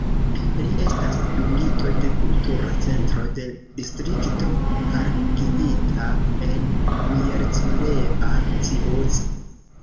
Li estas dungito de Kultura Centro de Distrikto Harghita en Miercurea Ciuc.